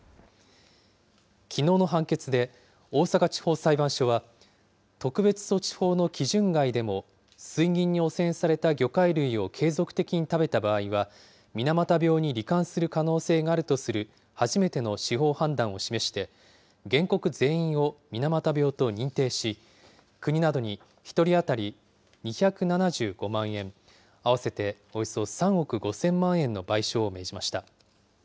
きのうの判決で、大阪地方裁判所は、特別措置法の基準外でも、水銀に汚染された魚介類を継続的に食べた場合は、水俣病にり患する可能性があるとする初めての司法判断を示して、原告全員を水俣病と認定し、国などに１人当たり２７５万円、合わせておよそ３億５０００万円の賠償を命じました。